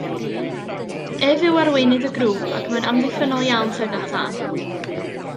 Ef yw arweinydd y grŵp ac mae'n amddiffynnol iawn tuag at Anne.